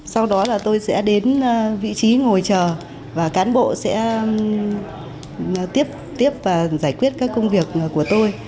sau đó là tôi sẽ đến vị trí ngồi chờ và cán bộ sẽ tiếp và giải quyết các công việc của tôi